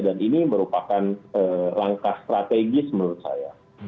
dan ini merupakan langkah strategis menurut saya